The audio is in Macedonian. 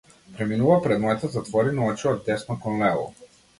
Преминува пред моите затворени очи од десно кон лево.